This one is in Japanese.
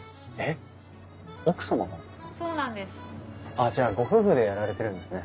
あっじゃあご夫婦でやられてるんですね。